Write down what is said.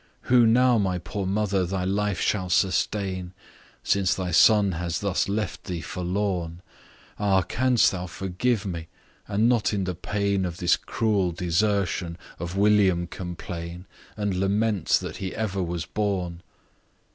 "Who now, my poor mother, thy life shall sustain, Since thy son has thus left thee forlorn? Ah! canst thou forgive me? And not in the pain Of this cruel desertion, of William complain, And lament that he ever was born?